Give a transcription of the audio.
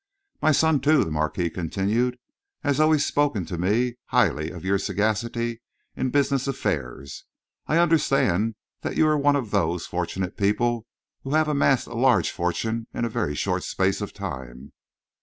"My son, too," the Marquis continued, "has always spoken to me highly of your sagacity in business affairs. I understand that you are one of those fortunate people who have amassed a large fortune in a very short space of time."